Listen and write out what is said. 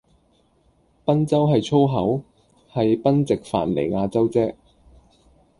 賓州係粗口？係賓夕凡尼亞州唧